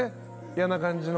嫌な感じの。